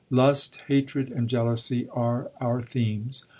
Lust, hatred, and jealousy are our themes.